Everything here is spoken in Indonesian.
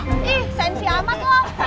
ih sensi amat toh